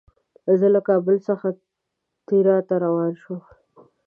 زه له کابل څخه تیراه ته روان شوم.